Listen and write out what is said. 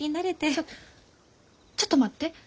ちょちょっと待って。